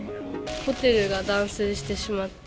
ホテルが断水してしまって。